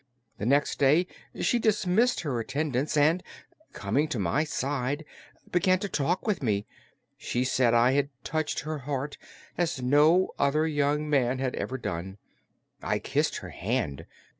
The next day she dismissed her attendants and, coming to my side, began to talk with me. She said I had touched her heart as no other young man had ever done. I kissed her hand.